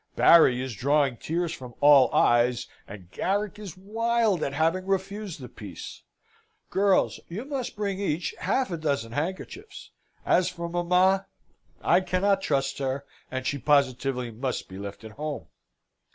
Barry is drawing tears from all eyes; and Garrick is wild at having refused the piece. Girls, you must bring each half a dozen handkerchiefs! As for mamma, I cannot trust her; and she positively must be left at home."